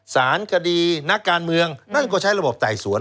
สารคดีนักการเมืองนั่นก็ใช้ระบบไต่สวน